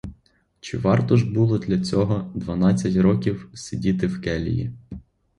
Чи варто ж було для цього дванадцять років сидіти в келії?